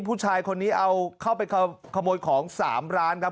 ผู้ชายคนนี้เอาเข้าไปขโมยของ๓ร้านครับ